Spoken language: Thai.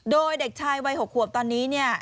โดยเด็กชายวัย๖ขวบตอนนี้เนี่ย